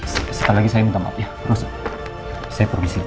setelah lagi saya minta maaf ya rosa saya permisi pak